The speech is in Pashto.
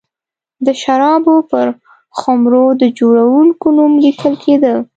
د شرابو پر خُمرو د جوړوونکي نوم لیکل کېده.